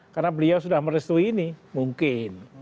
karena beliau sudah merestui ini mungkin